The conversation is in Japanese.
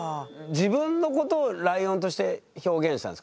自分のことをライオンとして表現したんですか？